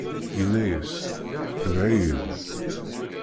Inna-as: Tebɛ-iyi-d!